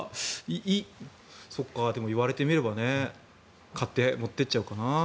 そうか、言われてみればね買って、持っていっちゃうかな。